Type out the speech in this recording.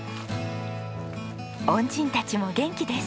恩人たちも元気です。